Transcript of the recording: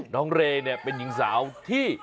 น้องเรย์เนี่ยเป็นหญิงสาวที่